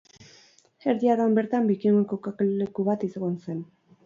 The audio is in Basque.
Erdi Aroan bertan bikingoen kokaleku bat egon zen.